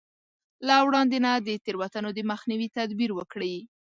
له وړاندې نه د تېروتنو د مخنيوي تدبير وکړي.